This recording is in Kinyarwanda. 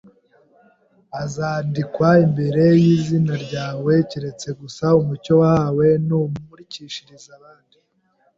azandikwa imbere y’izina ryawe. Keretse gusa umucyo wahawe nuwumurikishiriza abandi,